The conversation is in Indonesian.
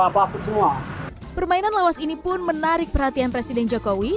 permainan lawas ini pun menarik perhatian presiden jokowi